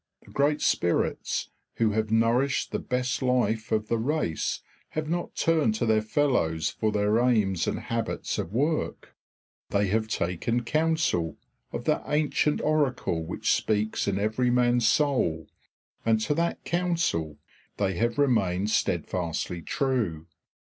The great spirits who have nourished the best life of the race have not turned to their fellows for their aims and habits of work; they have taken counsel of that ancient oracle which speaks in every man's soul, and to that counsel they have remained steadfastly true.